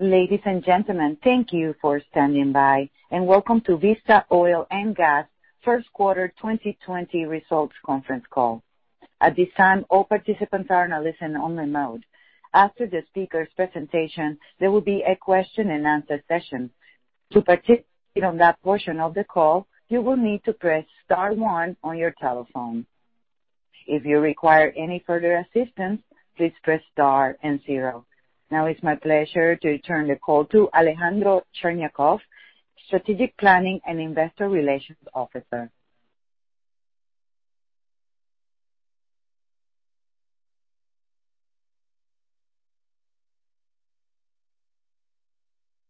Ladies and gentlemen, thank you for standing by, and welcome to Vista Oil & Gas First Quarter 2020 Results Conference Call. At this time, all participants are in a listen only mode. After the speakers' presentation, there will be a question-and-answer session. To participate in that portion of the call, you will need to press star one on your telephone. If you require any further assistance, please press star and zero. Now it's my pleasure to turn the call to Alejandro Cherñacov, Strategic Planning and Investor Relations Officer.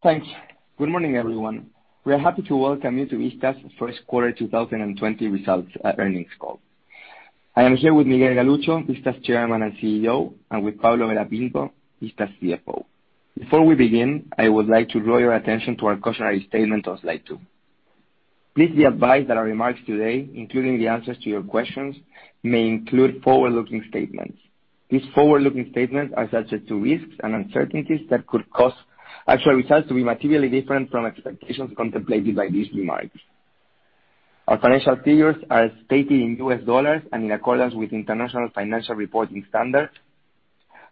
Thanks. Good morning, everyone. We are happy to welcome you to Vista's first quarter 2020 results earnings call. I am here with Miguel Galuccio, Vista's Chairman and CEO, and with Pablo Vera Pinto, Vista's CFO. Before we begin, I would like to draw your attention to our cautionary statement on slide two. Please be advised that our remarks today, including the answers to your questions, may include forward-looking statements. These forward-looking statements are subject to risks and uncertainties that could cause actual results to be materially different from expectations contemplated by these remarks. Our financial figures are stated in US dollars and in accordance with International Financial Reporting Standards.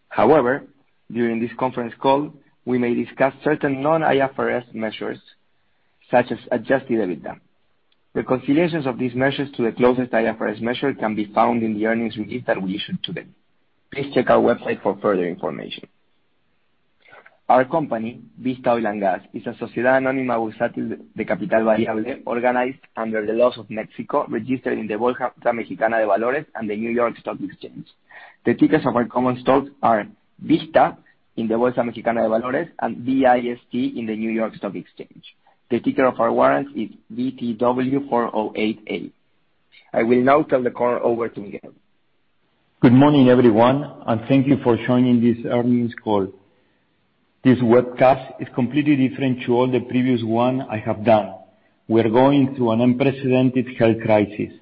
However, during this conference call, we may discuss certain non-IFRS measures, such as adjusted EBITDA. Reconciliations of these measures to the closest IFRS measure can be found in the earnings release that we issued today. Please check our website for further information. Our company, Vista Oil & Gas, is a sociedad anónima de capital variable organized under the laws of Mexico, registered in the Bolsa Mexicana de Valores and the New York Stock Exchange. The tickers of our common stocks are VISTA in the Bolsa Mexicana de Valores and VIST in the New York Stock Exchange. The ticker of our warrants is VTW408A. I will now turn the call over to Miguel. Good morning, everyone. Thank you for joining this earnings call. This webcast is completely different to all the previous ones I have done. We are going through an unprecedented health crisis.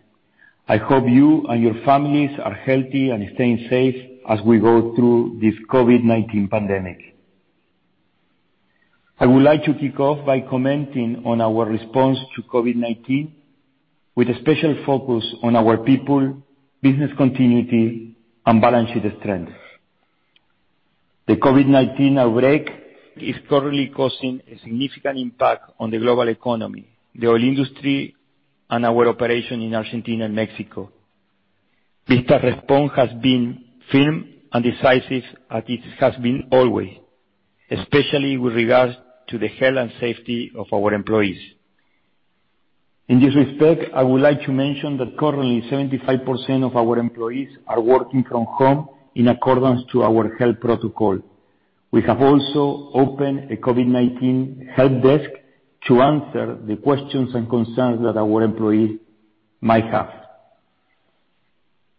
I hope you and your families are healthy and staying safe as we go through this COVID-19 pandemic. I would like to kick off by commenting on our response to COVID-19, with a special focus on our people, business continuity, and balance sheet strength. The COVID-19 outbreak is currently causing a significant impact on the global economy, the oil industry, and our operation in Argentina and Mexico. Vista's response has been firm and decisive, as it has been always, especially with regards to the health and safety of our employees. In this respect, I would like to mention that currently, 75% of our employees are working from home in accordance to our health protocol. We have also opened a COVID-19 help desk to answer the questions and concerns that our employees might have.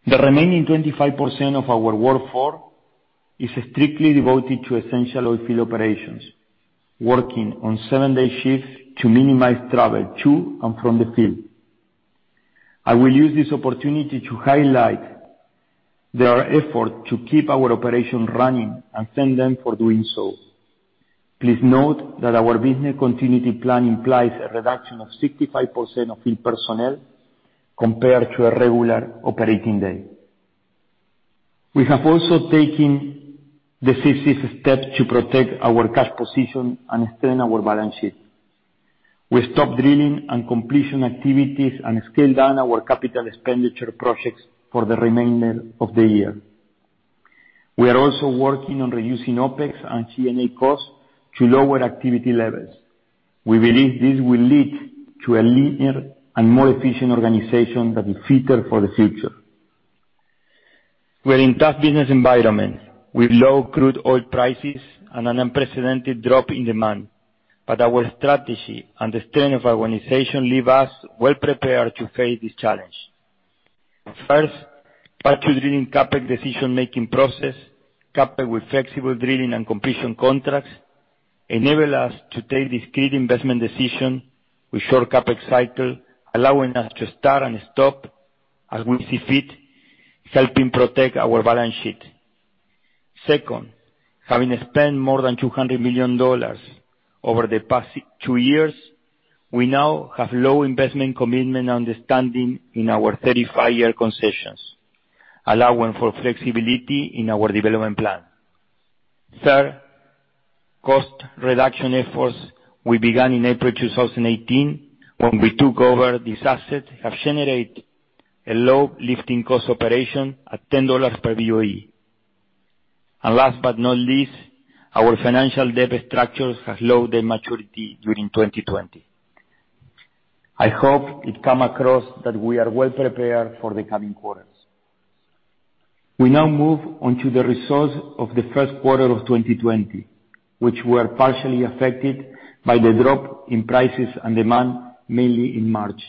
The remaining 25% of our workforce is strictly devoted to essential oil field operations, working on seven-day shifts to minimize travel to and from the field. I will use this opportunity to highlight their effort to keep our operations running and thank them for doing so. Please note that our business continuity plan implies a reduction of 65% of field personnel compared to a regular operating day. We have also taken decisive steps to protect our cash position and strengthen our balance sheet. We stopped drilling and completion activities and scaled down our capital expenditure projects for the remainder of the year. We are also working on reducing OpEx and G&A costs to lower activity levels. We believe this will lead to a leaner and more efficient organization that is fitter for the future. We're in a tough business environment with low crude oil prices and an unprecedented drop in demand, but our strategy and the strength of our organization leave us well prepared to face this challenge. First, our two drilling CapEx decision-making process, coupled with flexible drilling and completion contracts, enable us to take this key investment decision with short CapEx cycle, allowing us to start and stop as we see fit, helping protect our balance sheet. Second, having spent more than $200 million over the past two years, we now have low investment commitment understanding in our 35-year concessions, allowing for flexibility in our development plan. Third, cost reduction efforts we began in April 2018 when we took over this asset have generated a low lifting cost operation at $10 per BOE. Last but not least, our financial debt structures have low debt maturity during 2020. I hope it come across that we are well prepared for the coming quarters. We now move on to the results of the first quarter of 2020, which were partially affected by the drop in prices and demand, mainly in March.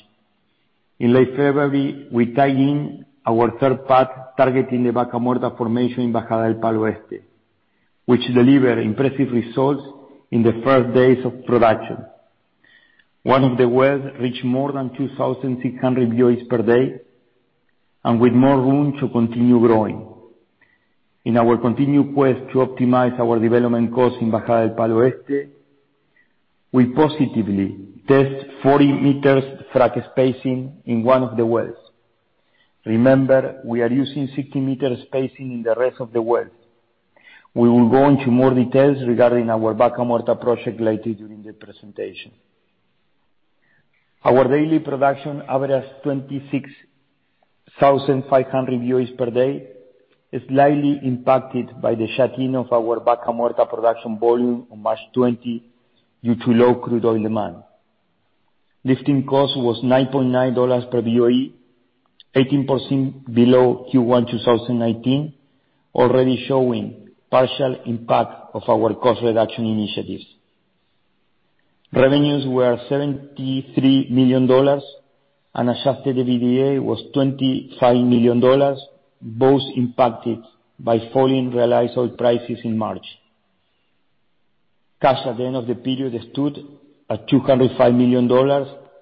In late February, we tag in our third pad targeting the Vaca Muerta formation in Bajada del Palo Este, which delivered impressive results in the first days of production. One of the wells reached more than 2,600 BOEs per day, and with more room to continue growing. In our continued quest to optimize our development costs in Bajada del Palo Este, we positively test 40 m frac spacing in one of the wells. Remember, we are using 60-m spacing in the rest of the wells. We will go into more details regarding our Vaca Muerta project later during the presentation. Our daily production averages 26,500 BOEs per day, slightly impacted by the shutting of our Vaca Muerta production volume on March 20 due to low crude oil demand. Lifting cost was $9.9 per BOE, 18% below Q1 2019, already showing partial impact of our cost reduction initiatives. Revenues were $73 million, and adjusted EBITDA was $25 million, both impacted by falling realized oil prices in March. Cash at the end of the period stood at $205 million,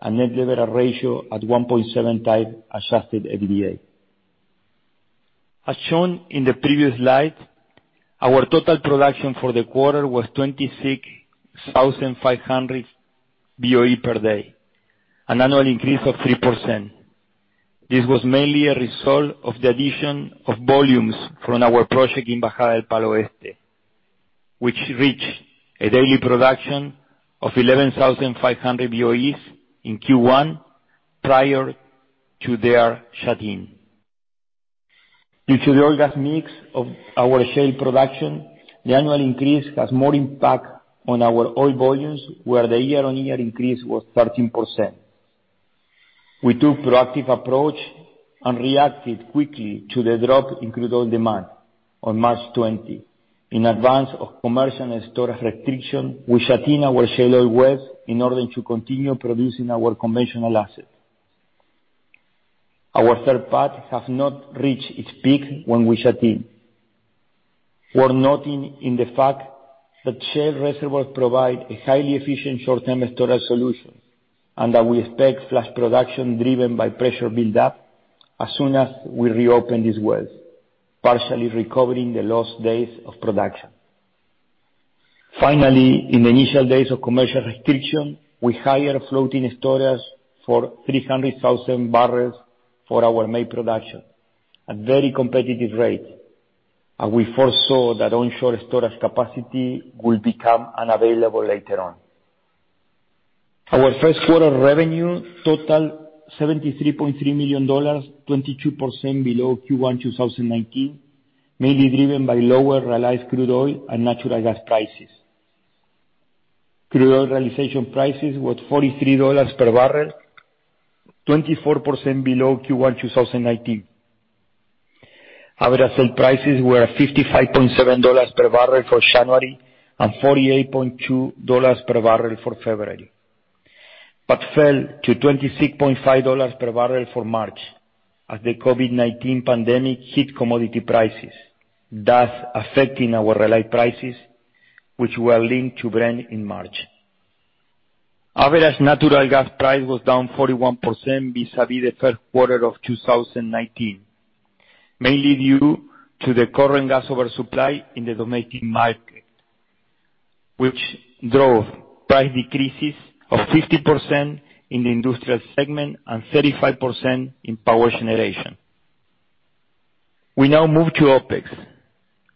and net debt at a ratio at 1.7x adjusted EBITDA. As shown in the previous slide, our total production for the quarter was 26,500 BOE per day, an annual increase of 3%. This was mainly a result of the addition of volumes from our project in Bajada del Palo Este, which reached a daily production of 11,500 BOEs in Q1, prior to their shut-in. Due to the oil-gas mix of our shale production, the annual increase has more impact on our oil volumes, where the year-on-year increase was 13%. We took proactive approach and reacted quickly to the drop in crude oil demand on March 20. In advance of commercial and storage restriction, we shut in our shale oil wells in order to continue producing our conventional assets. Our third pad have not reached its peak when we shut in. We're noting in the fact that shale reservoirs provide a highly efficient short-term storage solution, and that we expect flash production driven by pressure build-up as soon as we reopen these wells, partially recovering the lost days of production. In the initial days of commercial restriction, we hired floating storage for 300,000 barrels for our May production at very competitive rates, and we foresaw that onshore storage capacity will become unavailable later on. Our first quarter revenue total $73.3 million, 22% below Q1 2019, mainly driven by lower realized crude oil and natural gas prices. Crude oil realization prices was $43 per barrel, 24% below Q1 2019. Average sale prices were $55.7 per barrel for January, and $48.2 per barrel for February, but fell to $26.5 per barrel for March as the COVID-19 pandemic hit commodity prices, thus affecting our realized prices, which were linked to Brent in March. Average natural gas price was down 41% vis-à-vis the first quarter of 2019, mainly due to the current gas oversupply in the domestic market, which drove price decreases of 50% in the industrial segment and 35% in power generation. We now move to OpEx.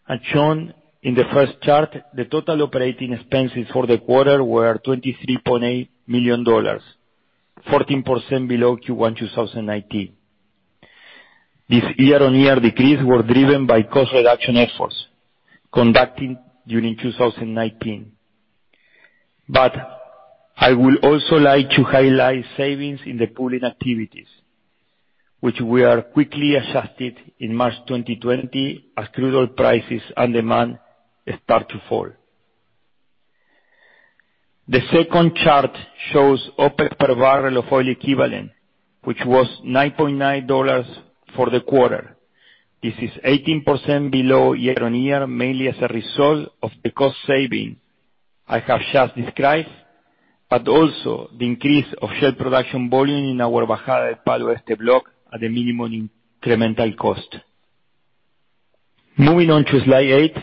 As shown in the first chart, the total operating expenses for the quarter were $23.8 million, 14% below Q1 2019. This year-on-year decrease were driven by cost reduction efforts conducted during 2019. I would also like to highlight savings in the pooling activities, which we are quickly adjusted in March 2020 as crude oil prices and demand start to fall. The second chart shows OpEx per barrel of oil equivalent, which was $9.9 for the quarter. This is 18% below year-on-year, mainly as a result of the cost saving I have just described, but also the increase of shale production volume in our Bajada del Palo Este block at a minimum incremental cost. Moving on to slide eight,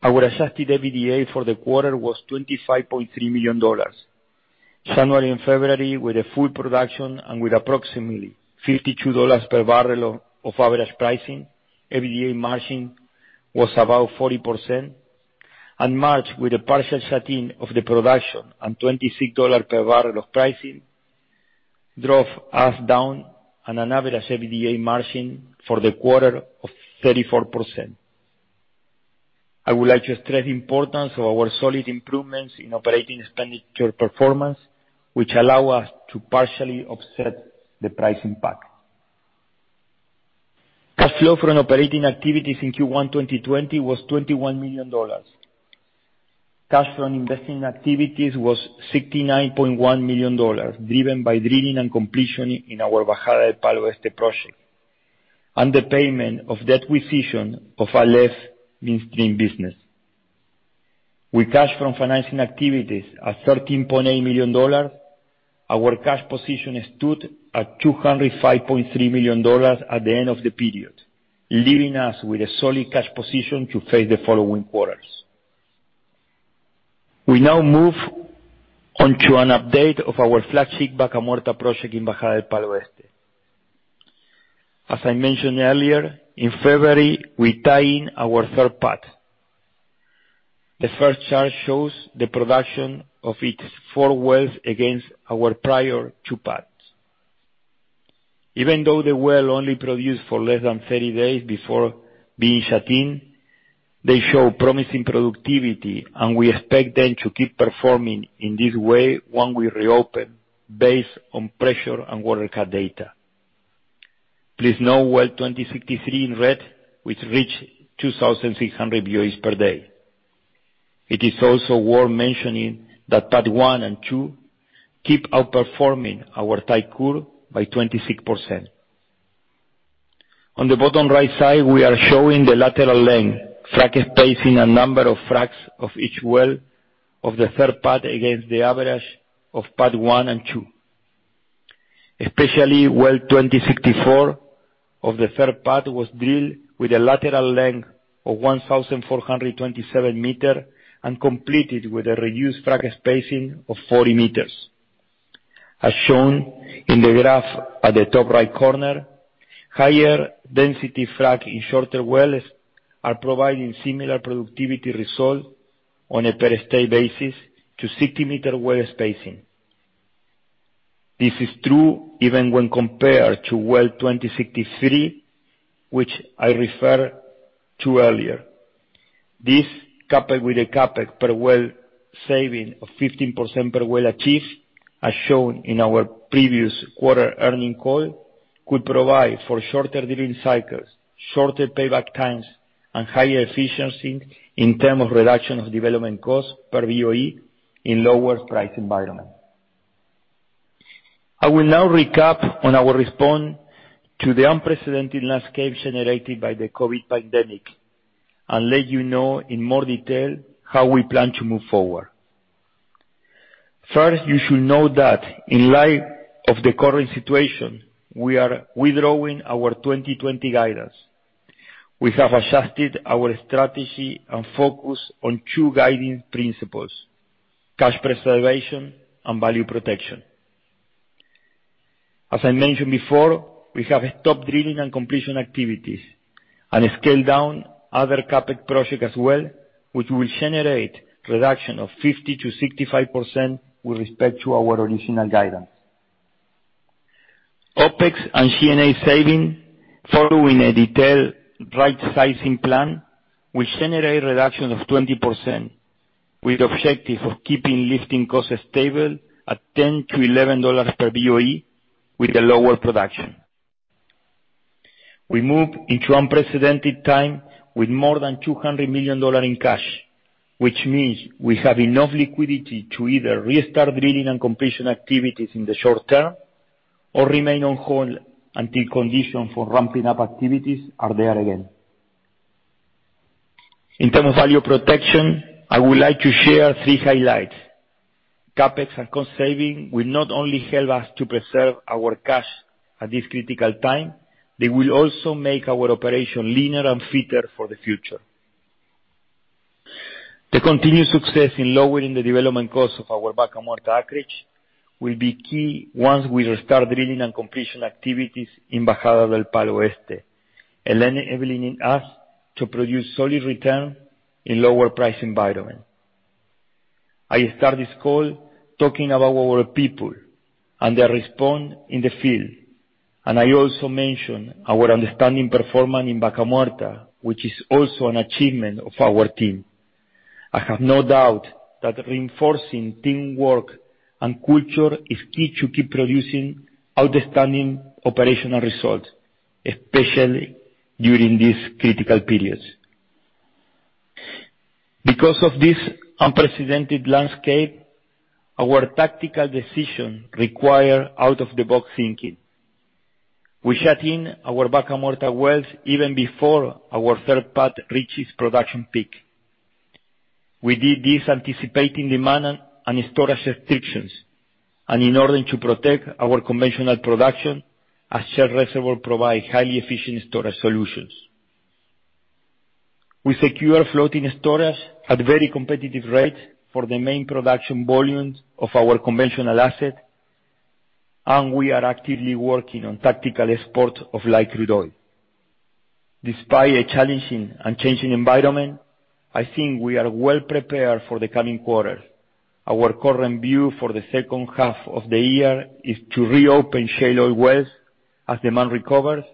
our adjusted EBITDA for the quarter was $25.3 million. January and February, with a full production and with approximately $52 per barrel of average pricing, EBITDA margin was about 40%. March, with a partial shut-in of the production and $26 per barrel of pricing, drove us down on an average EBITDA margin for the quarter of 34%. I would like to stress the importance of our solid improvements in operating expenditure performance, which allow us to partially offset the price impact. Cash flow from operating activities in Q1 2020 was $21 million. Cash from investing activities was $69.1 million, driven by drilling and completion in our Bajada del Palo Este project. The payment of the acquisition of our less mainstream business. Cash from financing activities at $13.8 million, our cash position stood at $205.3 million at the end of the period, leaving us with a solid cash position to face the following quarters. We now move on to an update of our flagship Vaca Muerta project in Bajada del Palo Este. As I mentioned earlier, in February, we tied in our third pad. The first chart shows the production of its four wells against our prior two pads. Even though the well only produced for less than 30 days before being shut-in, they show promising productivity, and we expect them to keep performing in this way once we reopen based on pressure and well cut data. Please note well 2063 in red, which reached 2,600 BOEs per day. It is also worth mentioning that Pad #1 and 2 keep outperforming our type curve by 26%. On the bottom right side, we are showing the lateral length, frac spacing, and number of fracks of each well of the third pad against the average of Pad #1 and 2. Especially well 2064 of the third pad was drilled with a lateral length of 1,427 m and completed with a reduced frac spacing of 40 m. As shown in the graph at the top right corner, higher density frac in shorter wells are providing similar productivity results on a per stage basis to 60-m well spacing. This is true even when compared to well 2063, which I referred to earlier. This coupled with a CapEx per well saving of 15% per well achieved, as shown in our previous quarter earning call, could provide for shorter drilling cycles, shorter payback times, and higher efficiency in terms of reduction of development costs per BOE in lower price environments. I will now recap on our response to the unprecedented landscape generated by the COVID-19 pandemic and let you know in more detail how we plan to move forward. First, you should know that in light of the current situation, we are withdrawing our 2020 guidance. We have adjusted our strategy and focus on two guiding principles, cash preservation and value protection. As I mentioned before, we have stopped drilling and completion activities and scaled down other CapEx projects as well, which will generate a reduction of 50%-65% with respect to our original guidance. OpEx and G&A saving following a detailed right-sizing plan, will generate a reduction of 20%, with the objective of keeping lifting costs stable at $10-$11 per BOE with a lower production. We move into unprecedented time with more than $200 million in cash, which means we have enough liquidity to either restart drilling and completion activities in the short term or remain on hold until conditions for ramping up activities are there again. In terms of value protection, I would like to share three highlights. CapEx and cost saving will not only help us to preserve our cash at this critical time, they will also make our operation leaner and fitter for the future. The continued success in lowering the development cost of our Vaca Muerta acreage will be key once we restart drilling and completion activities in Bajada del Palo Este, enabling us to produce solid returns in lower price environments. I start this call talking about our people and their response in the field, and I also mention our outstanding performance in Vaca Muerta, which is also an achievement of our team. I have no doubt that reinforcing teamwork and culture is key to keep producing outstanding operational results, especially during these critical periods. Because of this unprecedented landscape, our tactical decisions require out-of-the-box thinking. We shut in our Vaca Muerta wells even before our third pad reaches production peak. We did this anticipating demand and storage restrictions, and in order to protect our conventional production as shale reservoir provide highly efficient storage solutions. We secure floating storage at very competitive rates for the main production volumes of our conventional asset, and we are actively working on tactical export of light crude oil. Despite a challenging and changing environment, I think we are well prepared for the coming quarters. Our current view for the second half of the year is to reopen shale oil wells as demand recovers.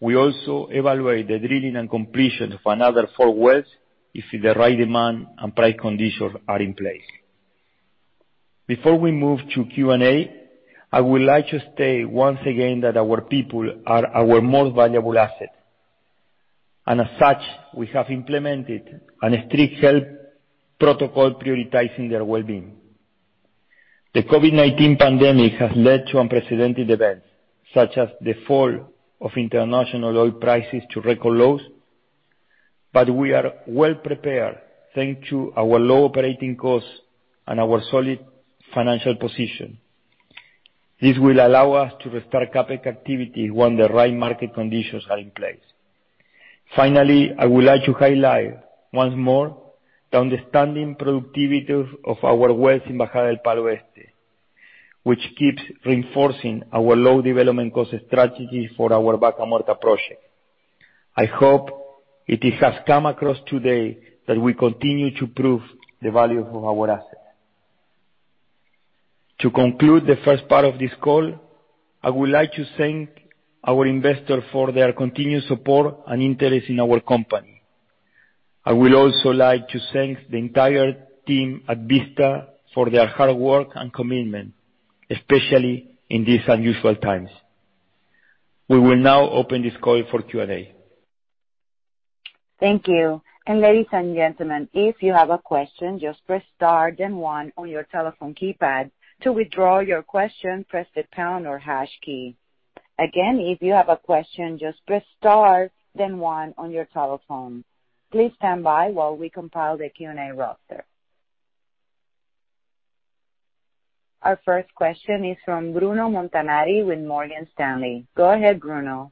We also evaluate the drilling and completion of another four wells if the right demand and price conditions are in place. Before we move to Q&A, I would like to state once again that our people are our most valuable asset, and as such, we have implemented a strict health protocol prioritizing their well-being. The COVID-19 pandemic has led to unprecedented events, such as the fall of international oil prices to record lows. We are well prepared, thanks to our low operating costs and our solid financial position. This will allow us to restart CapEx activity when the right market conditions are in place. Finally, I would like to highlight once more the outstanding productivity of our wells in Vaca Muerta, which keeps reinforcing our low development cost strategy for our Vaca Muerta project. I hope it has come across today that we continue to prove the value of our assets. To conclude the first part of this call, I would like to thank our investors for their continued support and interest in our company. I would also like to thank the entire team at Vista for their hard work and commitment, especially in these unusual times. We will now open this call for Q&A. Thank you. Ladies and gentlemen, if you have a question, just press star then one on your telephone keypad. To withdraw your question, press the pound or hash key. Again, if you have a question, just press star, then one on your telephone. Please stand by while we compile the Q&A roster. Our first question is from Bruno Montanari with Morgan Stanley. Go ahead, Bruno.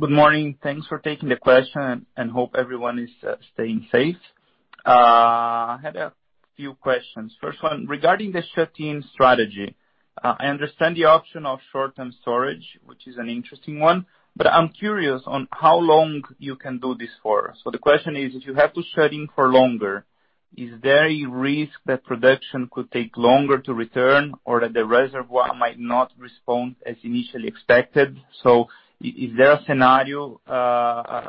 Good morning. Thanks for taking the question. Hope everyone is staying safe. I had a few questions. First one, regarding the shut-in strategy. I understand the option of short-term storage, which is an interesting one, I'm curious on how long you can do this for. The question is, if you have to shut in for longer, is there a risk that production could take longer to return or that the reservoir might not respond as initially expected? Is there a scenario,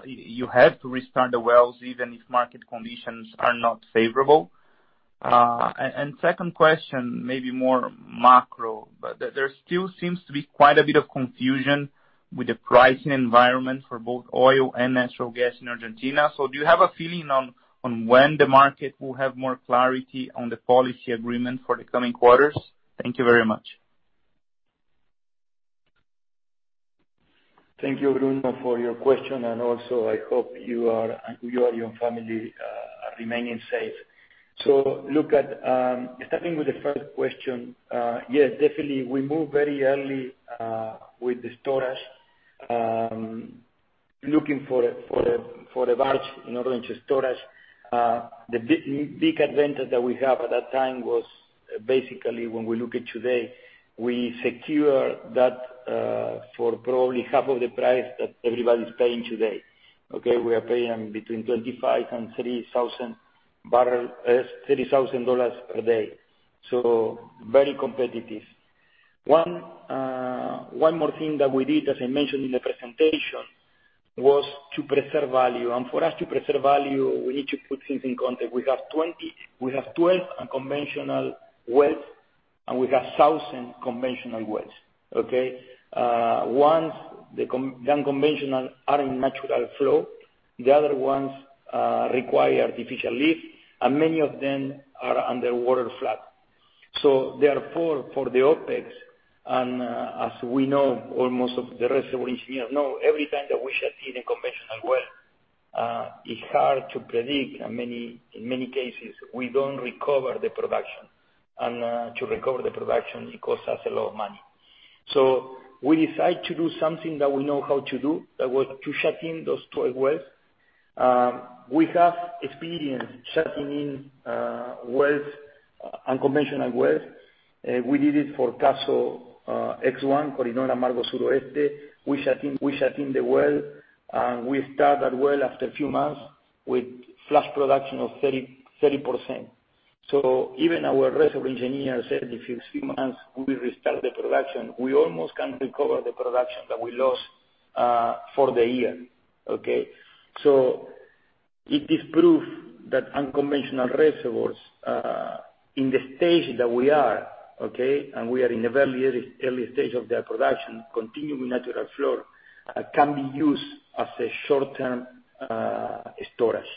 you have to restart the wells even if market conditions are not favorable? Second question, maybe more macro, there still seems to be quite a bit of confusion with the pricing environment for both oil and natural gas in Argentina. Do you have a feeling on when the market will have more clarity on the policy agreement for the coming quarters? Thank you very much. Thank you, Bruno, for your question, and also I hope you and your family are remaining safe. Look, starting with the first question. Yes, definitely, we moved very early, with the storage, looking for the barge in order to storage. The big advantage that we have at that time was basically when we look at today, we secure that, for probably half of the price that everybody's paying today. Okay? We are paying between $25 and $30,000 per day. Very competitive. One more thing that we did, as I mentioned in the presentation, was to preserve value. For us to preserve value, we need to put things in context. We have 12 unconventional wells, and we have 1,000 conventional wells. Okay? Once the unconventional are in natural flow, the other ones require artificial lift, and many of them are under water flood. Therefore, for the OpEx, and as we know, almost the reservoir engineers know, every time that we shut in a conventional well, it's hard to predict. In many cases, we don't recover the production, and to recover the production, it costs us a lot of money. We decide to do something that we know how to do. That was to shut in those 12 wells. We have experience shutting in unconventional wells. We did it for Castle x-1, Coirón Amargo Sureste. We shut in the well, and we started that well after a few months with flash production of 30%. Even our reservoir engineer said if in a few months we restart the production, we almost can recover the production that we lost for the year. Okay. It is proof that unconventional reservoirs, in the stage that we are, okay, and we are in the very early stage of their production, continuing natural flow, can be used as a short-term storage.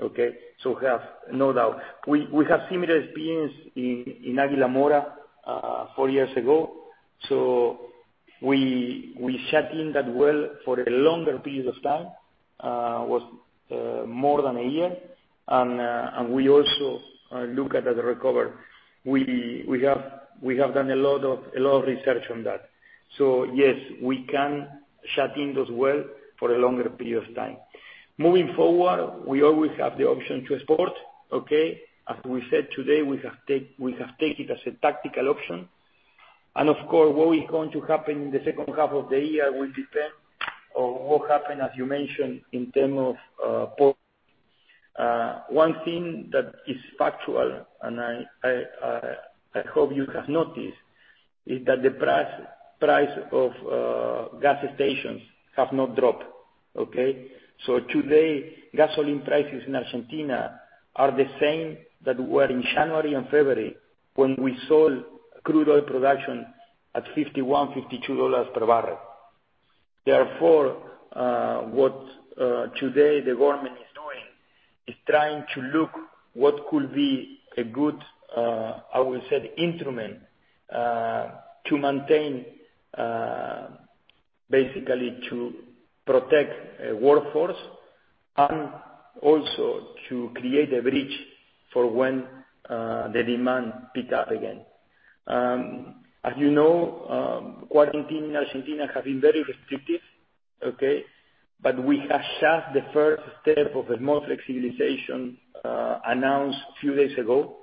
Okay. We have no doubt. We have similar experience in Águila Mora, four years ago. We shut in that well for a longer period of time. Was more than a year. We also look at the recovery. We have done a lot of research on that. Yes, we can shut in those wells for a longer period of time. Moving forward, we always have the option to export. Okay. As we said today, we have taken it as a tactical option. And of course, what is going to happen in the second half of the year will depend on what happens, as you mentioned, in terms of oil. One thing that is factual, and I hope you have noticed, is that the price of gas stations have not dropped. Okay? Today, gasoline prices in Argentina are the same that were in January and February when we sold crude oil production at $51, $52 per barrel. Therefore, what the government is doing today is trying to look at what could be a good instrument to maintain, basically to protect the workforce and also to create a bridge for when the demand picks up again. As you know, quarantine in Argentina has been very restrictive. We have just the first step of a more flexibilization announced a few days ago.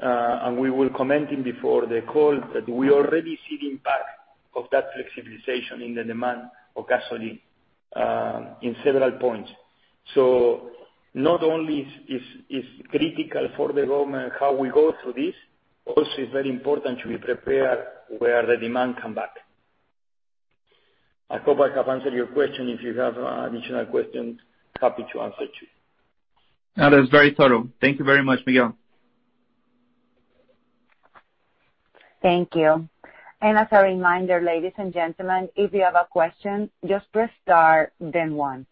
We were commenting before the call that we are already seeing the impact of that flexibilization in the demand for gasoline in several points. Not only is it critical for the government how we go through this, but it's also very important to be prepared when the demand comes back. I hope I have answered your question. If you have additional questions, I'm happy to answer you. No, that was very thorough. Thank you very much, Miguel. Thank you. As a reminder, ladies and gentlemen, if you have a question, just press star then one.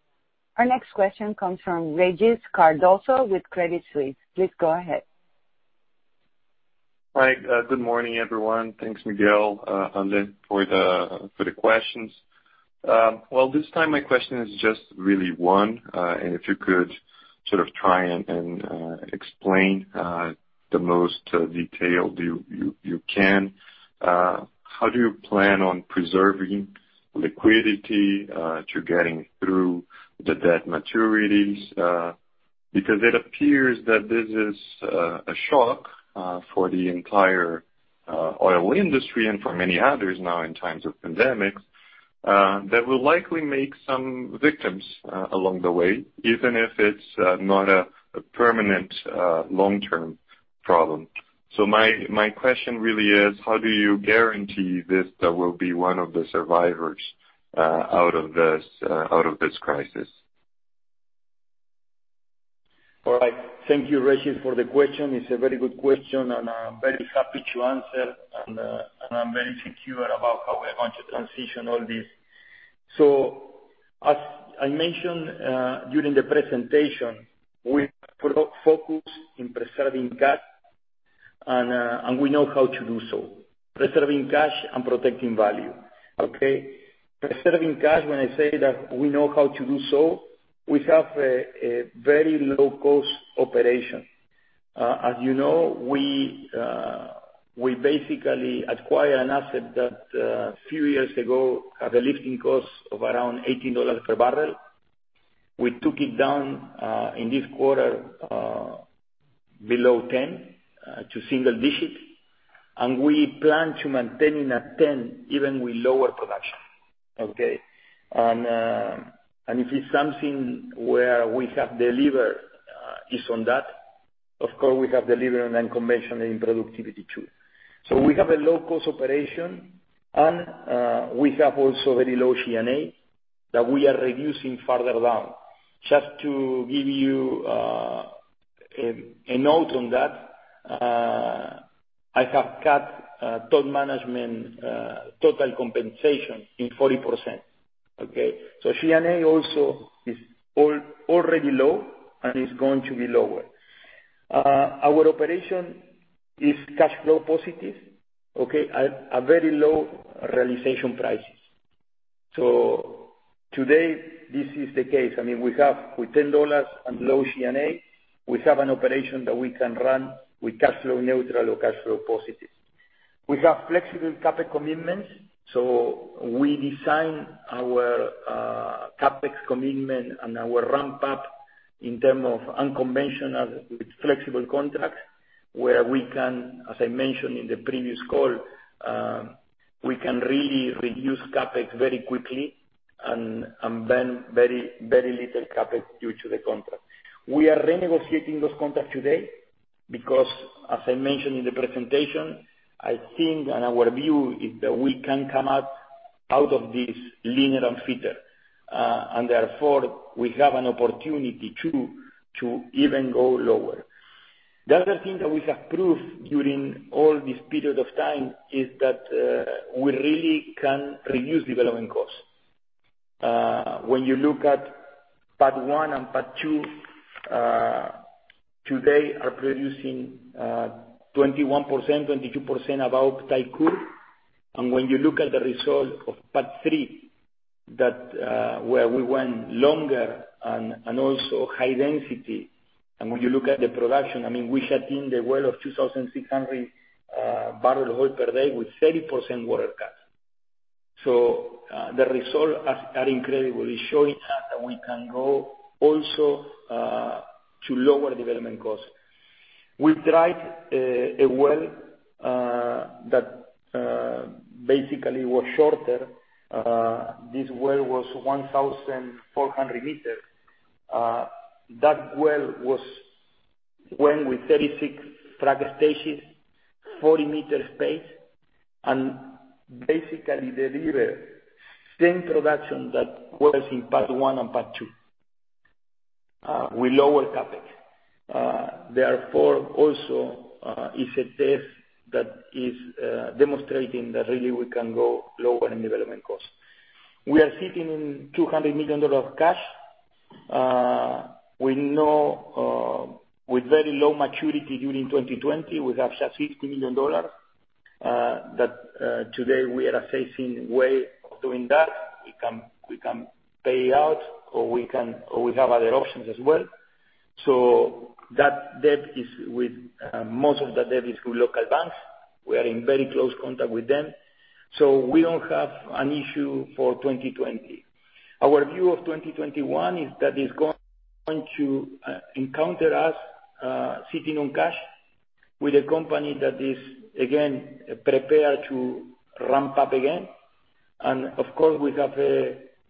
Our next question comes from Regis Cardoso with Credit Suisse. Please go ahead. Hi. Good morning, everyone. Thanks, Miguel, Ale for the questions. This time my question is just really one. If you could try and explain the most detail you can, how do you plan on preserving liquidity to get through the debt maturities? It appears that this is a shock for the entire oil industry and for many others now in times of pandemics, that will likely make some victims along the way, even if it's not a permanent long-term problem. My question really is: How do you guarantee Vista will be one of the survivors out of this crisis? Thank you, Regis, for the question. It's a very good question, and I'm very happy to answer, and I'm very secure about how we're going to transition all this. As I mentioned during the presentation, we are focused on preserving cash, and we know how to do so. Preserving cash and protecting value. Preserving cash, when I say that we know how to do so, we have a very low-cost operation. As you know, we basically acquired an asset that, a few years ago, had a lifting cost of around $18 per barrel. We took it down in this quarter below $10 to single digits, and we plan to maintain it at $10, even with lower production. If it's something where we have delivered, it's on that. Of course, we have delivered on unconventional productivity too. We have a low-cost operation, and we have also very low G&A that we are reducing further down. Just to give you a note on that, I have cut top management total compensation by 40%. G&A also is already low and is going to be lower. Our operation is cash flow positive, at very low realization prices. Today, this is the case. I mean, we have $10 and low G&A. We have an operation that we can run with cash flow neutral or cash flow positive. We have flexible CapEx commitments, we design our CapEx commitment and our ramp-up in terms of unconventional with flexible contracts, where we can, as I mentioned in the previous call, really reduce CapEx very quickly and burn very little CapEx due to the contract. We are renegotiating those contracts today because, as I mentioned in the presentation, I think and our view is that we can come out of this leaner and fitter. Therefore, we have an opportunity to even go lower. The other thing that we have proved during all this period of time is that we really can reduce development costs. When you look at Pad #1 and Pad #2, today, they are producing 21%, 22% above type curve. When you look at the result of Pad #3, where we went longer and also high density, and when you look at the production, we have in the well of 2,600 barrels of oil per day with 30% water cut. The results are incredibly showing us that we can go also to lower development costs. We tried a well that basically was shorter. This well was 1,400 meters. That well went with 36 frac stages, 40-m space, and basically delivered the same production that was in Pad #1 and Pad #2. We lower CapEx. Also, is a test that is demonstrating that really we can go lower in development costs. We are sitting in $200 million of cash. With very low maturity during 2020, we have just $50 million, that today we are facing way of doing that. We can pay out, or we have other options as well. Most of the debt is through local banks. We are in very close contact with them. We don't have an issue for 2020. Our view of 2021 is that it's going to encounter us sitting on cash with a company that is, again, prepared to ramp up again. Of course,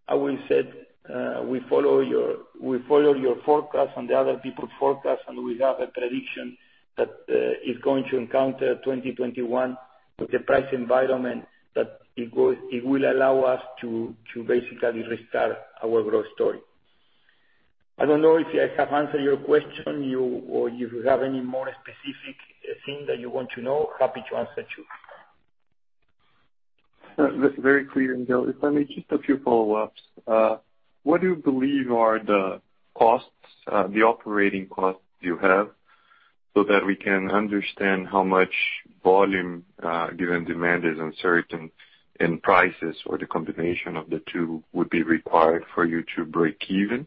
I will say, we follow your forecast and the other people forecast, and we have a prediction that is going to encounter 2021 with a price environment that it will allow us to basically restart our growth story. I don't know if I have answered your question, or if you have any more specific thing that you want to know, happy to answer too. That's very clear, Miguel. If I may, just a few follow-ups. What do you believe are the operating costs you have, that we can understand how much volume, given demand is uncertain, prices or the combination of the two would be required for you to break even?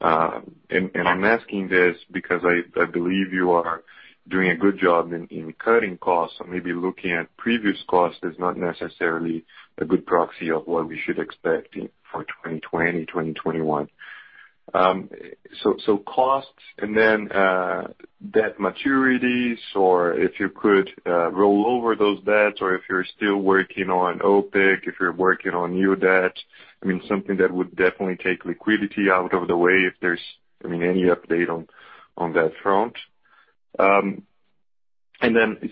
I'm asking this because I believe you are doing a good job in cutting costs. Maybe looking at previous costs is not necessarily a good proxy of what we should expect for 2020, 2021. Costs, then debt maturities, if you could roll over those debts, if you're still working on OPEC, if you're working on new debt, something that would definitely take liquidity out of the way, if there's any update on that front.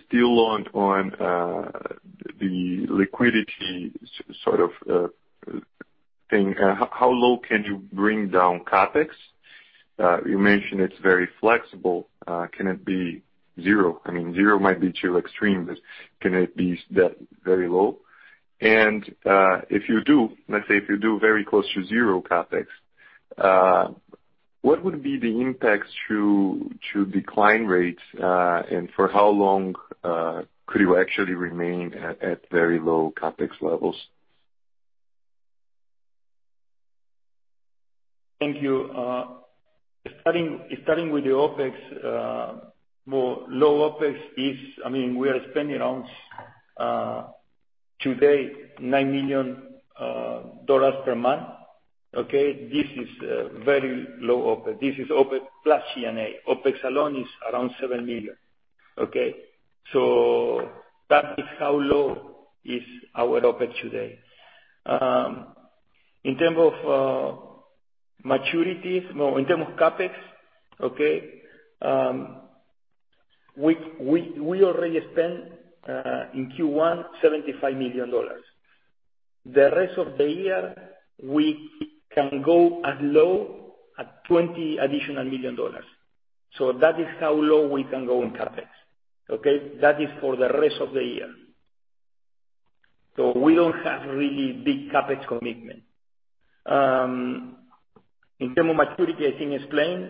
Still on the liquidity sort of thing, how low can you bring down CapEx? You mentioned it's very flexible. Can it be zero? Zero might be too extreme, but can it be that very low? Let's say, if you do very close to zero CapEx, what would be the impacts to decline rates, and for how long could you actually remain at very low CapEx levels? Thank you. Starting with the OpEx. Low OpEx is, we are spending around, today, $9 million per month. Okay. This is a very low OpEx. This is OpEx plus G&A. OpEx alone is around $7 million. Okay. That is how low is our OpEx today. In term of CapEx, okay, we already spent, in Q1, $75 million. The rest of the year, we can go as low as $20 million. That is how low we can go on CapEx. Okay. That is for the rest of the year. We don't have really big CapEx commitment. In term of maturity, I think explained.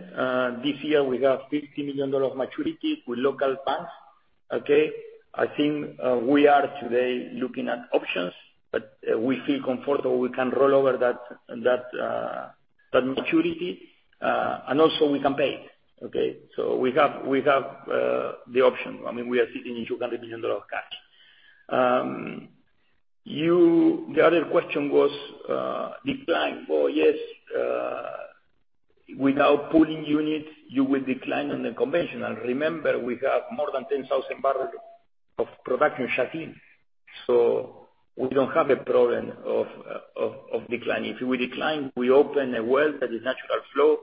This year, we have $50 million of maturity with local banks. Okay. I think we are, today, looking at options, but we feel comfortable we can roll over that maturity, and also we can pay it. Okay. We have the option. We are sitting in $200 million of cash. The other question was decline. Oh, yes, without pulling units, you will decline on the conventional. Remember, we have more than 10,000 barrels of production in shale. We don't have a problem of decline. If we decline, we open a well that is natural flow,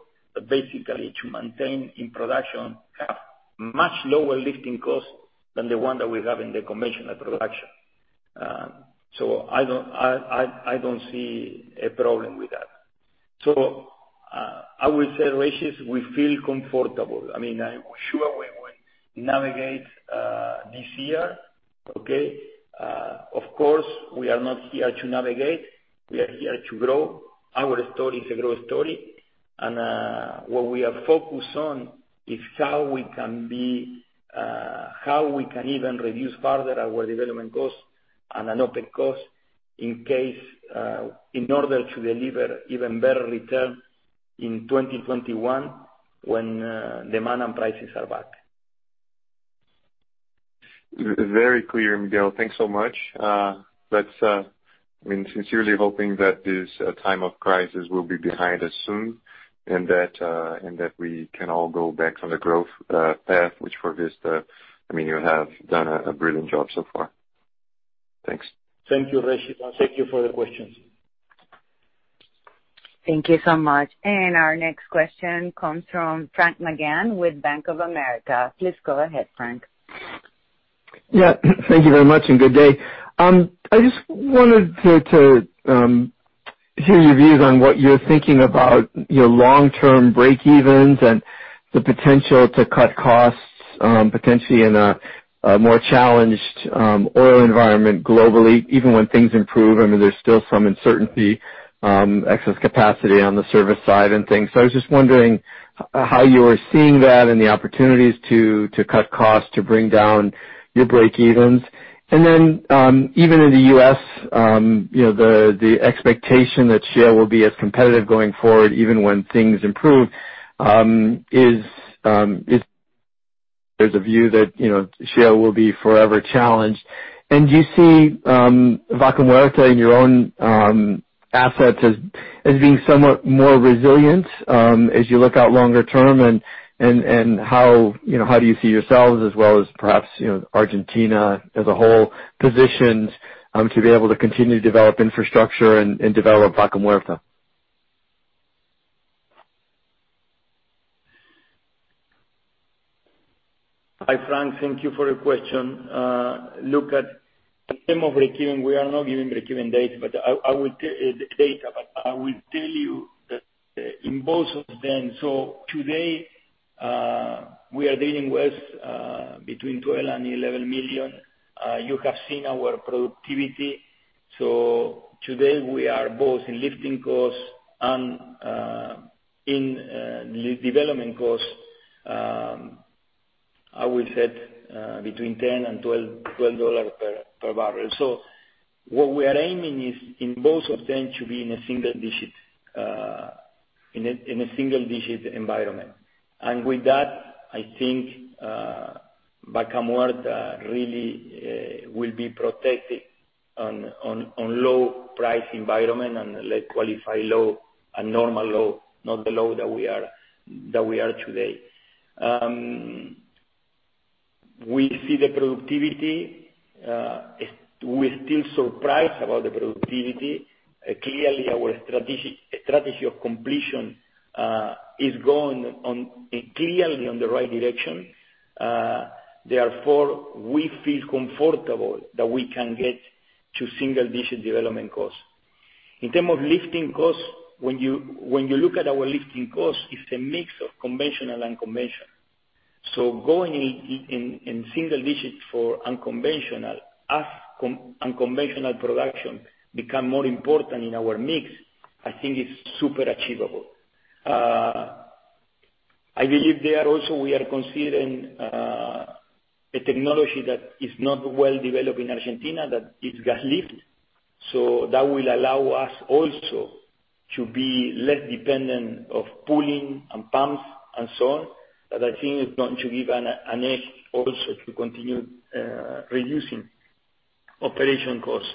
basically to maintain in production, have much lower lifting costs than the one that we have in the conventional production. I don't see a problem with that. I would say, Regis, we feel comfortable. I'm sure we will navigate this year. Okay. Of course, we are not here to navigate. We are here to grow. Our story is a growth story. What we are focused on is how we can even reduce further our development costs and OpEx costs in order to deliver even better return in 2021 when demand and prices are back. Very clear, Miguel. Thanks so much. I'm sincerely hoping that this time of crisis will be behind us soon, and that we can all go back on the growth path, which for Vista, you have done a brilliant job so far. Thanks. Thank you, Regis, and thank you for the questions. Thank you so much. Our next question comes from Frank McGann with Bank of America. Please go ahead, Frank. Yeah. Thank you very much, and good day. I just wanted to hear your views on what you're thinking about your long-term breakevens and the potential to cut costs, potentially in a more challenged oil environment globally, even when things improve. There's still some uncertainty, excess capacity on the service side and things. I was just wondering how you are seeing that and the opportunities to cut costs to bring down your breakevens. Even in the U.S., the expectation that shale will be as competitive going forward, even when things improve. There's a view that shale will be forever challenged. Do you see Vaca Muerta in your own assets as being somewhat more resilient, as you look out longer term? How do you see yourselves as well as perhaps, Argentina as a whole, positioned to be able to continue to develop infrastructure and develop Vaca Muerta? Hi, Frank. Thank you for your question. Look at the term of breakeven. We are not giving breakeven data, but I will tell you that in both of them. Today, we are dealing with between 12 and 11 million. You have seen our productivity. Today we are both in lifting costs and in development costs. I would say between $10 and $12 per barrel. What we are aiming is in both of them to be in a single-digit environment. With that, I think Vaca Muerta really will be protected on low price environment and let qualify low and normal low, not the low that we are today. We see the productivity. We're still surprised about the productivity. Clearly, our strategy of completion is going clearly on the right direction. Therefore, we feel comfortable that we can get to single-digit development costs. In terms of lifting costs, when you look at our lifting costs, it's a mix of conventional and unconventional. Going in single digits for unconventional, as unconventional production become more important in our mix, I think it's super achievable. I believe there also we are considering a technology that is not well developed in Argentina, that is gas lift. That will allow us also to be less dependent of pulling and pumps and so on, that I think is going to give an edge also to continue reducing operating costs.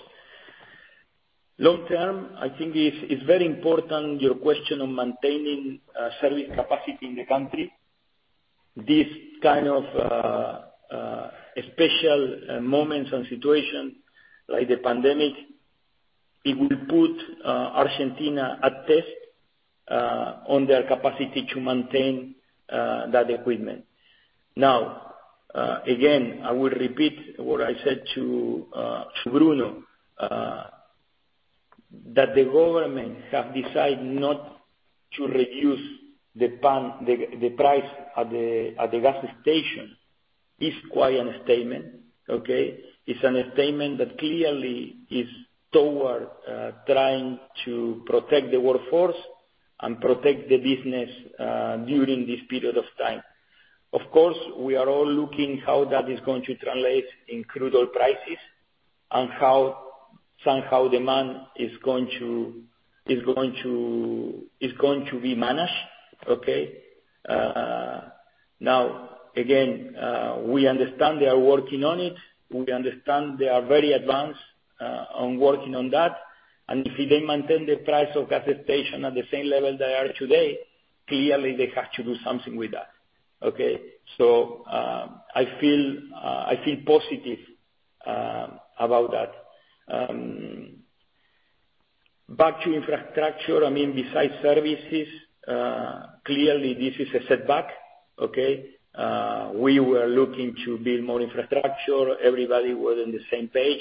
Long term, I think it's very important your question on maintaining selling capacity in the country. This kind of special moments and situation like the pandemic, it will put Argentina at test on their capacity to maintain that equipment. Again, I will repeat what I said to Bruno, that the government have decided not to reduce the price at the gas station is quite a statement. It's a statement that clearly is toward trying to protect the workforce and protect the business during this period of time. Of course, we are all looking how that is going to translate in crude oil prices and how somehow demand is going to be managed. Again, we understand they are working on it. We understand they are very advanced on working on that. If they maintain the price of gas station at the same level they are today, clearly they have to do something with that. I feel positive about that. Back to infrastructure. Besides services, clearly this is a setback. We were looking to build more infrastructure. Everybody was on the same page.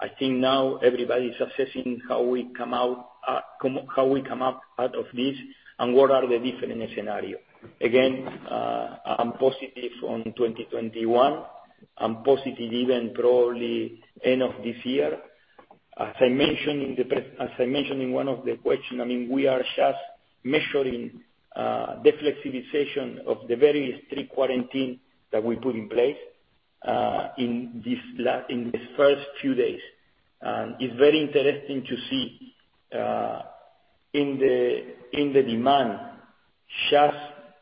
I think now everybody's assessing how we come up out of this and what are the different scenario. I'm positive on 2021. I'm positive even probably end of this year. As I mentioned in one of the question, we are just measuring the flexibilization of the very strict quarantine that we put in place in this first few days. It's very interesting to see in the demand, just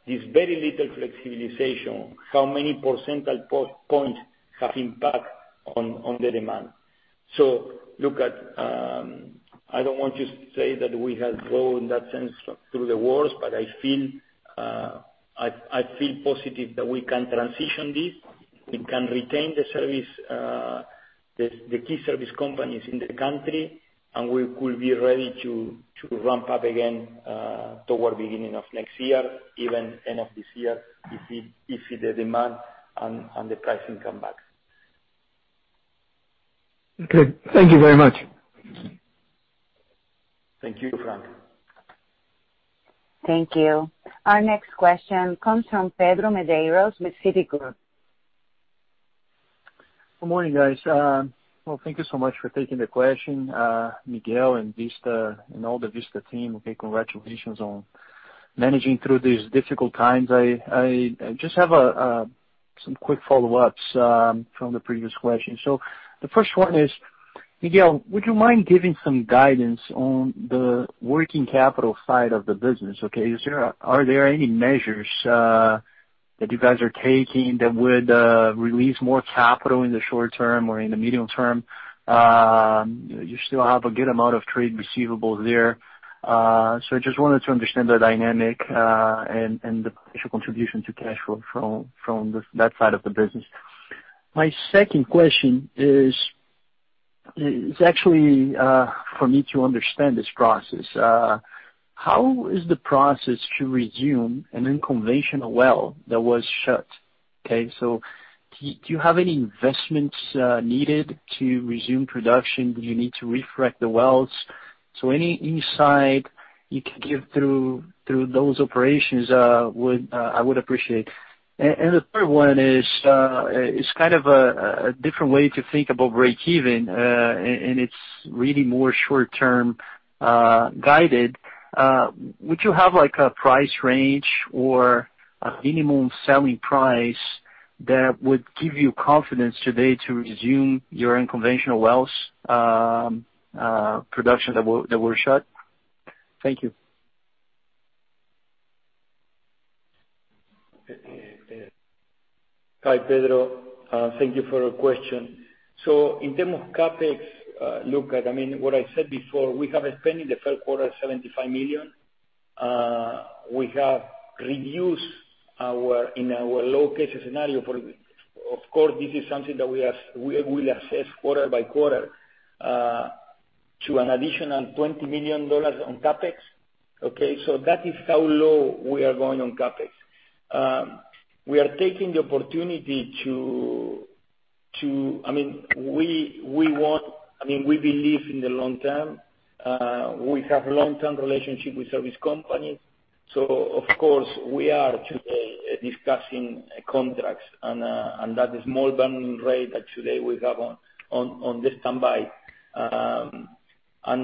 this very little flexibilization, how many percentage points have impact on the demand. Look at, I don't want to say that we have gone that sense through the worst, but I feel positive that we can transition this. We can retain the key service companies in the country, and we could be ready to ramp up again toward beginning of next year, even end of this year, if the demand and the pricing come back. Okay. Thank you very much. Thank you, Frank. Thank you. Our next question comes from Pedro Medeiros with Citigroup. Good morning, guys. Well, thank you so much for taking the question. Miguel and Vista and all the Vista team, okay, congratulations on managing through these difficult times. I just have some quick follow-ups from the previous question. The first one is, Miguel, would you mind giving some guidance on the working capital side of the business, okay? Are there any measures that you guys are taking that would release more capital in the short term or in the medium term? You still have a good amount of trade receivables there. I just wanted to understand the dynamic, and the potential contribution to cash flow from that side of the business. My second question is actually for me to understand this process. How is the process to resume an unconventional well that was shut, okay? Do you have any investments needed to resume production? Do you need to refrack the wells? Any insight you can give through those operations, I would appreciate. The third one is, it's kind of a different way to think about breakeven, and it's really more short-term guided. Would you have a price range or a minimum selling price that would give you confidence today to resume your unconventional wells production that were shut? Thank you. Hi, Pedro. Thank you for your question. In term of CapEx, look, what I said before, we have spent in the first quarter $75 million. We have reduced in our low cases scenario. Of course, this is something that we will assess quarter by quarter, to an additional $20 million on CapEx, okay? That is how low we are going on CapEx. We are taking the opportunity. We believe in the long term. We have a long-term relationship with service companies. Of course, we are today discussing contracts and that is more than rate that today we have on the standby. I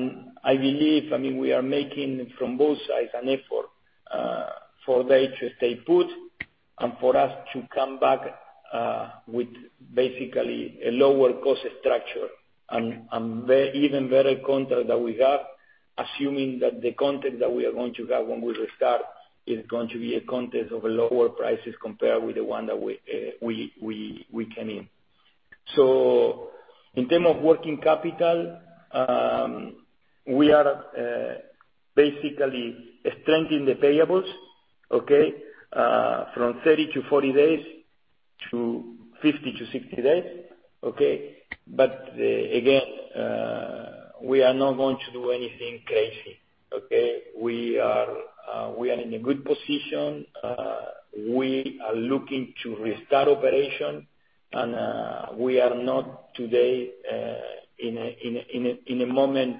believe, we are making from both sides an effort, for them to stay put and for us to come back, with basically a lower cost structure and even better contract that we have, assuming that the contract that we are going to have when we restart is going to be a contract of a lower prices compared with the one that we came in. In term of working capital, we are basically strengthening the payables, okay? From 30 to 40 days to 50 to 60 days, okay? Again, we are not going to do anything crazy, okay? We are in a good position. We are looking to restart operation, and we are not today in a moment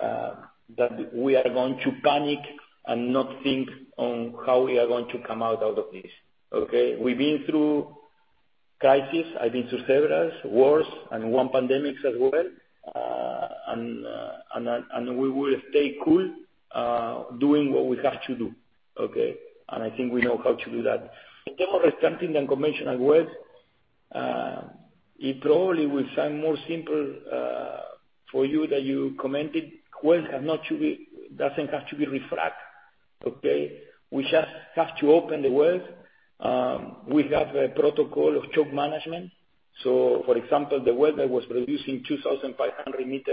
that we are going to panic and not think on how we are going to come out of this, okay? We've been through crisis. I've been through several, worse, and one pandemics as well. We will stay cool, doing what we have to do, okay? I think we know how to do that. In terms of restarting the unconventional wells, it probably will sound more simple for you that you commented, wells doesn't have to be refracked, okay? We just have to open the wells. We have a protocol of choke management. For example, the well that was producing 2,600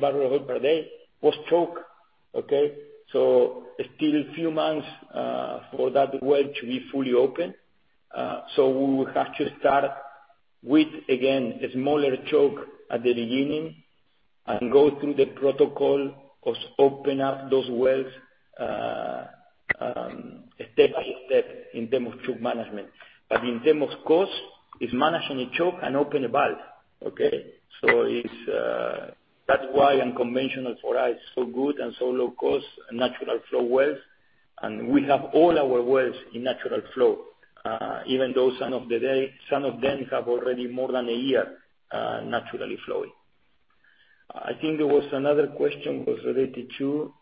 barrel of oil per day was choked, okay? Still few months for that well to be fully open. We will have to start with, again, a smaller choke at the beginning and go through the protocol of open up those wells step by step in term of choke management. But in term of cost, it's managing a choke and open a valve, okay? That's why unconventional for us is so good and so low cost, natural flow wells. We have all our wells in natural flow. Even though some of them have already more than a year naturally flowing. I think there was another question was related to,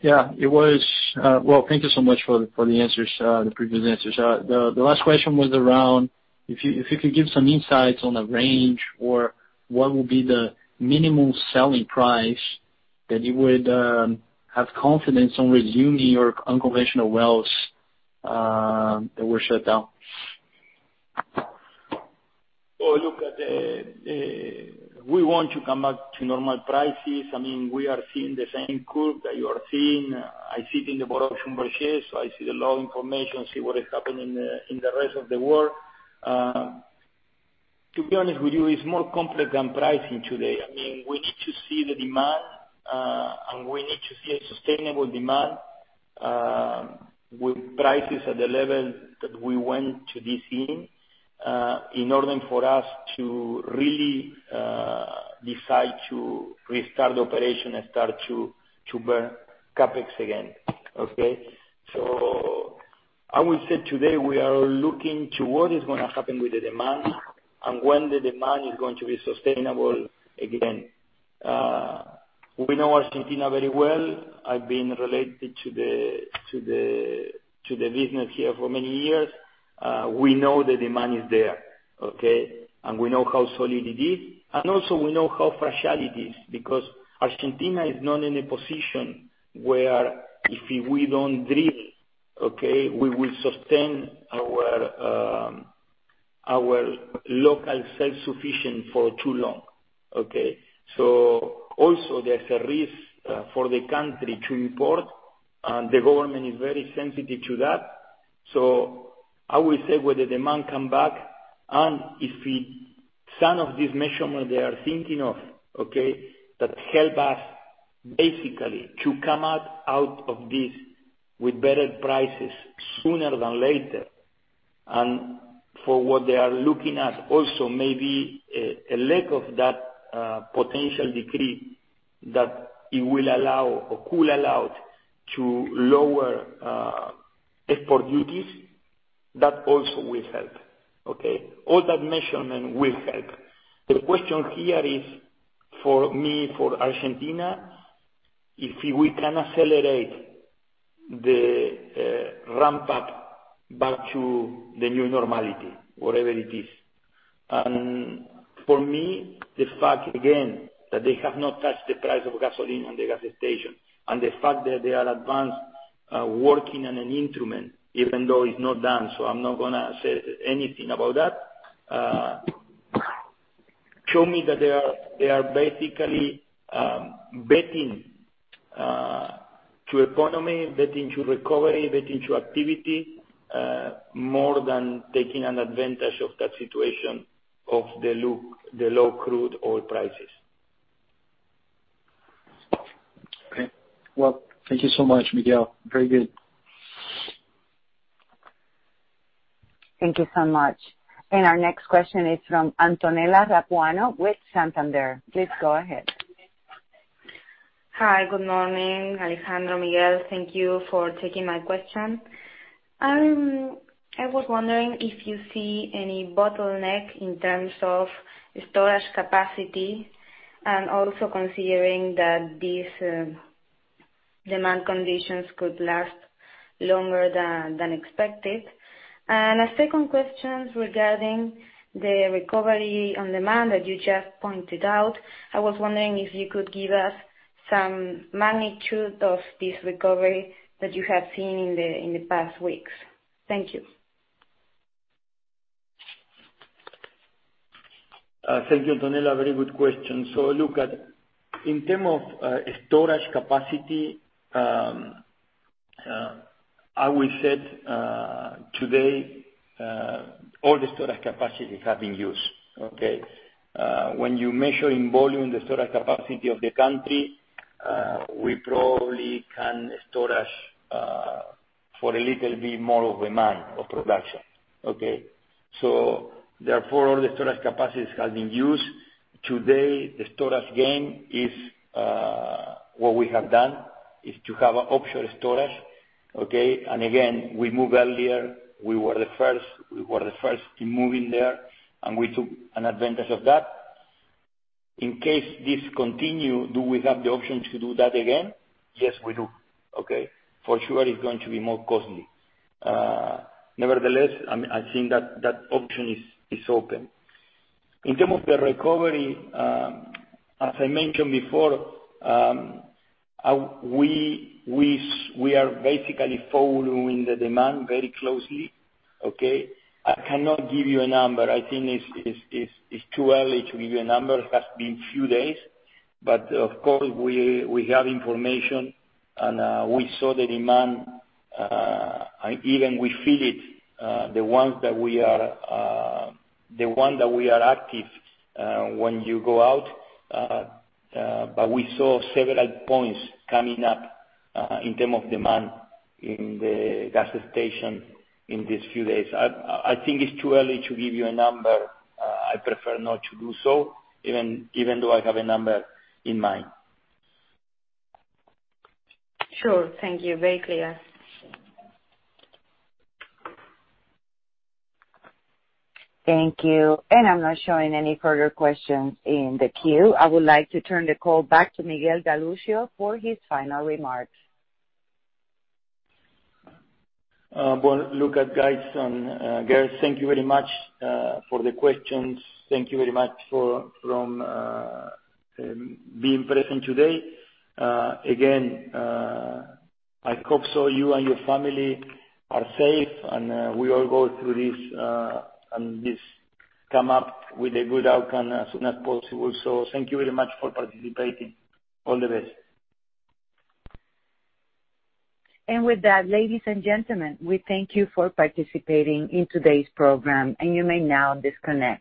Yeah. Well, thank you so much for the previous answers. The last question was around if you could give some insights on the range or what would be the minimum selling price that you would have confidence on resuming your unconventional wells that were shut down. Look, we want to come back to normal prices. We are seeing the same curve that you are seeing. I sit in the board of, I see a lot information, see what is happening in the rest of the world. To be honest with you, it's more complex than pricing today. We need to see the demand, we need to see a sustainable demand, with prices at the level that we went to this year, in order for us to really decide to restart operation and start to burn CapEx again. Okay. I would say today, we are looking to what is going to happen with the demand and when the demand is going to be sustainable again. We know Argentina very well. I've been related to the business here for many years. We know the demand is there, okay. We know how solid it is. Also, we know how fragile it is, because Argentina is not in a position where if we don't drill, we will sustain our local self-sufficient for too long. Okay. Also, there's a risk for the country to import, and the government is very sensitive to that. I would say, when the demand come back, and if some of these measurements they are thinking of that help us basically to come out of this with better prices sooner than later. For what they are looking at also, maybe a lack of that potential decree that it will allow or could allow to lower export duties. That also will help. Okay. All that measurement will help. The question here is for me, for Argentina, if we can accelerate the ramp up back to the new normality, whatever it is. For me, the fact, again, that they have not touched the price of gasoline on the gas station, and the fact that they are advanced, working on an instrument even though it's not done, so I'm not going to say anything about that, show me that they are basically betting to economy, betting to recovery, betting to activity, more than taking an advantage of that situation of the low crude oil prices. Okay. Well, thank you so much, Miguel. Very good. Thank you so much. Our next question is from Antonella Rapuano with Santander. Please go ahead. Hi. Good morning, Alejandro, Miguel. Thank you for taking my question. I was wondering if you see any bottleneck in terms of storage capacity, and also considering that these demand conditions could last longer than expected. A second question regarding the recovery on demand that you just pointed out. I was wondering if you could give us some magnitude of this recovery that you have seen in the past weeks. Thank you. Thank you, Antonella. Very good question. Look at, in terms of storage capacity, I will say today, all the storage capacity has been used. Okay? When you measure in volume, the storage capacity of the country, we probably can store for a little bit more of demand of production. Okay? Today, the storage game is, what we have done is to have an optional storage. Okay? Again, we moved earlier. We were the first in moving there, and we took an advantage of that. In case this continues, do we have the option to do that again? Yes, we do. Okay? For sure it's going to be more costly. Nevertheless, I think that option is open. In terms of the recovery, as I mentioned before, we are basically following the demand very closely. Okay? I cannot give you a number. I think it's too early to give you a number. It has been few days. Of course, we have information, and we saw the demand. Even we feel it, the ones that we are active, when you go out. We saw several points coming up, in terms of demand in the gas station in these few days. I think it's too early to give you a number. I prefer not to do so, even though I have a number in mind. Sure. Thank you. Very clear. Thank you. I'm not showing any further questions in the queue. I would like to turn the call back to Miguel Galuccio for his final remarks. Well, look at guys and girls. Thank you very much for the questions. Thank you very much from being present today. Again, I hope so you and your family are safe and we all go through this, and this come up with a good outcome as soon as possible. Thank you very much for participating. All the best. With that, ladies and gentlemen, we thank you for participating in today's program, and you may now disconnect.